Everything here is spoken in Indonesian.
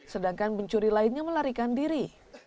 sedangkan pencuri lainnya melarikan diri